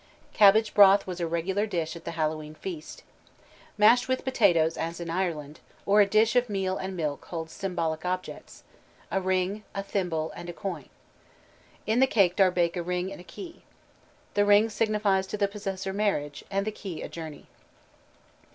_ Cabbage broth was a regular dish at the Hallowe'en feast. Mashed potatoes, as in Ireland, or a dish of meal and milk holds symbolic objects a ring, a thimble, and a coin. In the cake are baked a ring and a key. The ring signifies to the possessor marriage, and the key a journey.